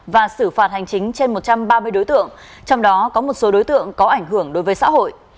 và xử phạt hành chính trên một trăm ba mươi đối tượng trong đó có một số đối tượng có ảnh hưởng đối với xã hội